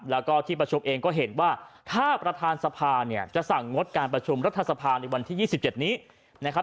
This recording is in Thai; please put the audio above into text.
แล้วก็ที่ประชุมเองก็เห็นว่าถ้าประธานสภาเนี่ยจะสั่งงดการประชุมรัฐสภาในวันที่๒๗นี้นะครับ